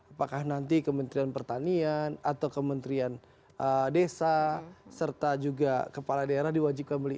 apakah nanti kementerian pertanian atau kementerian desa serta juga kepala daerah diwajibkan beli